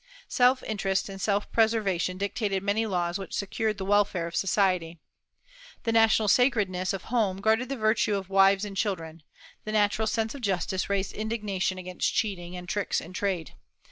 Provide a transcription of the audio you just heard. Self interest and self preservation dictated many laws which secured the welfare of society. The natural sacredness of home guarded the virtue of wives and children; the natural sense of justice raised indignation against cheating and tricks in trade.